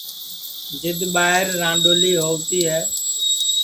جِد ٻائیر رانڏولی ہووتی ہے